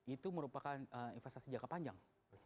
itu merupakan investasi jangka panjang